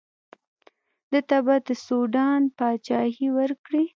ده ته به د سوډان پاچهي ورکړي.